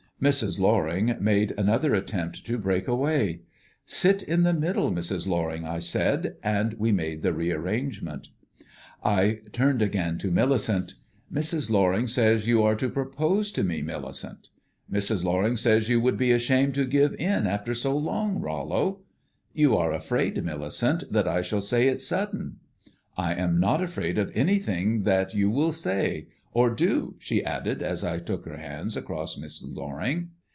Mrs. Loring made another attempt to break away. "Sit in the middle, Mrs. Loring," I said, and we made the rearrangement. I turned again to Millicent. "Mrs. Loring says you are to propose to me, Millicent." "Mrs. Loring says you would be ashamed to give in after so long, Rollo." "You are afraid, Millicent, that I shall say it's sudden?" "I am not afraid of anything that you will say. Or do," she added, as I took her hands across Mrs. Loring.